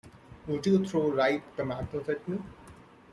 Would you throw ripe tomatoes at me?